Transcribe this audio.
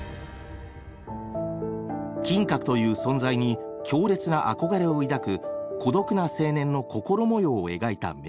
金閣という存在に強烈な憧れを抱く孤独な青年の心模様を描いた名作。